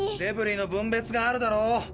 デブリの分別があるだろ。